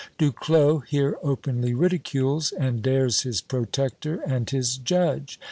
Du Clos here openly ridicules, and dares his protector and his judge.